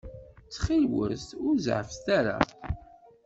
Ttxil-wet, ur zeɛɛfet ara.